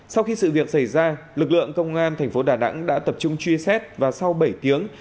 sau khi sự việc xảy ra lực lượng công an thành phố đà nẵng đã tập trung truy xét và sau bảy tiếng